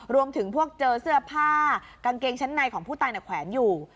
รวมถึงพวกเจอเสื้อผ้ากางเกงชั้นในของผู้ตายแขวนอยู่